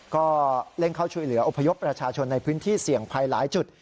ก็เร่งเข้าช่วยเหลืออพยพประชาชนในพื้นที่เสี่ยงภัยหลายจุด